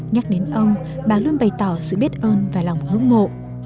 nhắc đến ông bà luôn bày tỏ sự biết ơn và lòng ủng hộ